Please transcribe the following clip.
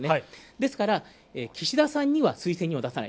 ですから、岸田さんには推薦人を出さない。